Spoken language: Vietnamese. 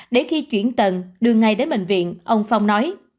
để khi chuyển tận đưa ngay đến bệnh viện ông phong nói